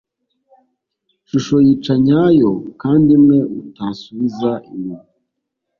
shusho yica nyayo kandi imwe utasubiza inyuma